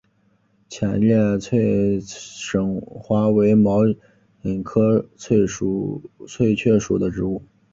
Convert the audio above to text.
浅裂翠雀花为毛茛科翠雀属的植物。